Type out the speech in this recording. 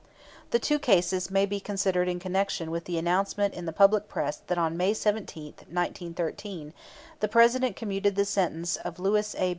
The two cases may be considered in connection with the announcement in the public press that on May 17, 1913, the President commuted the sentence of Lewis A.